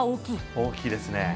大きいですね。